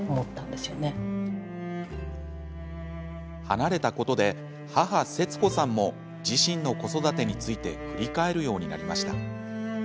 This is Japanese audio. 離れたことで母、節子さんも自身の子育てについて振り返るようになりました。